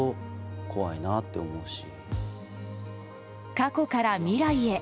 過去から未来へ。